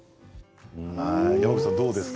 山口さん、どうですか？